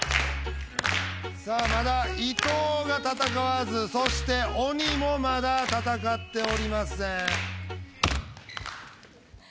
さあまだ伊藤が戦わずそして鬼もまだ戦っておりません。